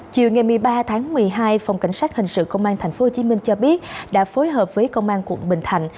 chiều ngày một mươi ba tháng một mươi hai phòng cảnh sát hình sự công an tp hcm cho biết đã phối hợp với công an quận bình thạnh